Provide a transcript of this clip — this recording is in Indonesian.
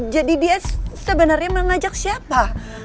jadi dia sebenarnya mengajak siapa